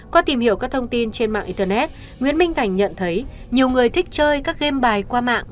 qua tìm hiểu các thông tin trên mạng internet nguyễn minh cảnh nhận thấy nhiều người thích chơi các game bài qua mạng